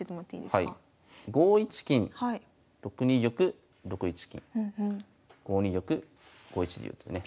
５一金６二玉６一金５二玉５一竜とね。